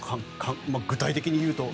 具体的に言うと。